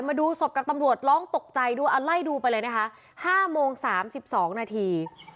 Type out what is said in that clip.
มาดูศพกับตำรวจร้องตกใจด้วยไล่ดูไปเลยนะคะ๕โมง๓๒นาที